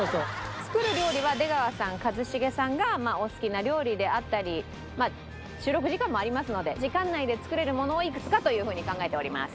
作る料理は出川さん一茂さんがお好きな料理であったり収録時間もありますので時間内で作れるものをいくつかというふうに考えております。